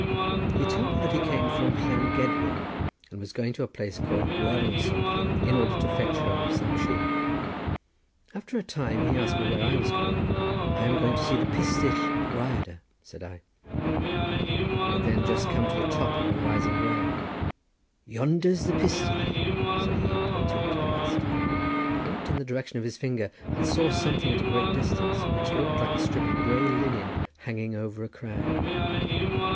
He told me that he came from Llan Gedwin, and was going to a place called Gwern something in order to fetch home some sheep. After a time he asked me where I was going. "I am going to see the Pistyll Rhyadr," said I. We had then just come to the top of a rising ground. "Yonder's the Pistyll!" said he, pointing to the west. I looked in the direction of his finger, and saw something at a great distance, which looked like a strip of grey linen, hanging over a crag.